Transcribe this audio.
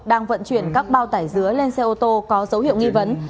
đang vận chuyển các bao tải dứa lên xe ô tô có dấu hiệu nghi vấn